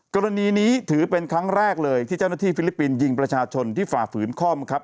กรณีนี้ถือเป็นครั้งแรกเลยที่เจ้าหน้าที่ฟิลิปปินส์ยิงประชาชนที่ฝ่าฝืนข้อบังคับ